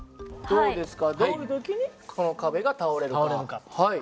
どうですかどういう時にこの壁が倒れるか？